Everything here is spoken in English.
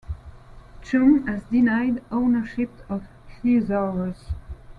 Cheung has denied ownership of Thesaurus.